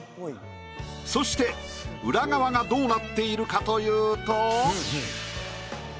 そして裏側がどうなっているかというと。